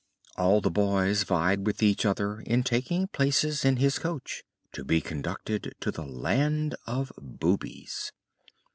All the boys vied with each other in taking places in his coach, to be conducted to the "Land of Boobies."